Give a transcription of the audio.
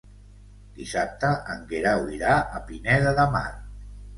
Dissabte en Guerau irà a Pineda de Mar.